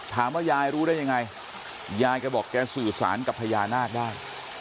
ยายรู้ได้ยังไงยายแกบอกแกสื่อสารกับพญานาคได้